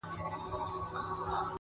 د نازولي یار په یاد کي اوښکي غم نه دی؛